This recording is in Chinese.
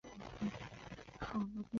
去柔然迎文帝悼皇后郁久闾氏。